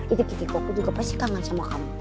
itu kiki koko juga pasti kangen sama kamu